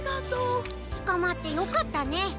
つかまってよかったね。